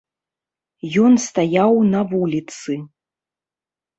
Ён стаяў на вуліцы.